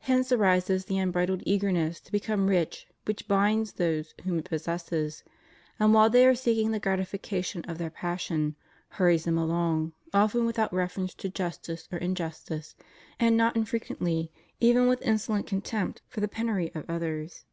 Hence arises the un bridled eagerness to become rich which binds those whom it possesses, and while they are seeking the gratification of their passion, hurries them along, often without refer ence to justice or injustice, and not infrequently even with insolent contempt for the penury of others.